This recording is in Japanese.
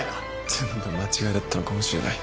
全部間違いだったのかもしれない。